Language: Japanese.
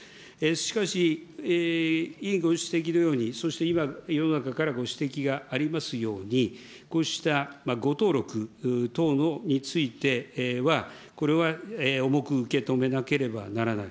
しかし、委員ご指摘のように、そして今、世の中からご指摘がありますように、こうした誤登録等については、これは重く受け止めなければならない。